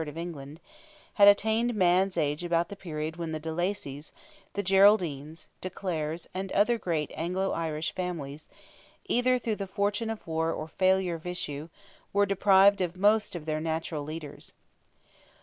of England, had attained man's age about the period when the de Lacys, the Geraldines, de Clares, and other great Anglo Irish, families, either through the fortune of war or failure of issue, were deprived of most of their natural leaders.